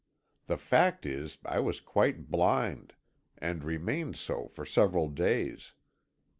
The fact is I was quite blind, and remained so for several days.